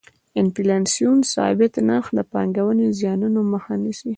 د انفلاسیون ثابت نرخ د پانګونې زیانونو مخه نیسي.